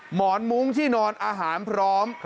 หมอนมุ้งที่นอนอาหารพร้อม